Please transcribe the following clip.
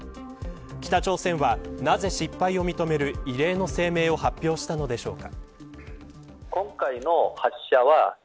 北朝鮮は、なぜ失敗を認める異例の声明を発表したのでしょうか。